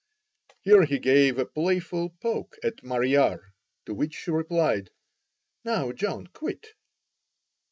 (Here he gave a playful poke at "Mariar," to which she replied: "Now, John, quit.")